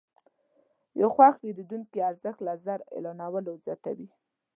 د یو خوښ پیرودونکي ارزښت له زر اعلانونو زیات دی.